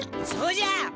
そうじゃ！